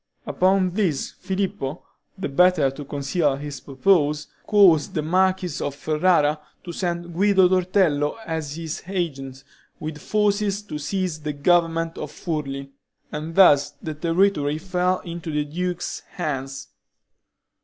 Upon this Filippo, the better to conceal his purpose, caused the Marquis of Ferrara to send Guido Torello as his agent, with forces, to seize the government of Furli, and thus the territory fell into the duke's hands.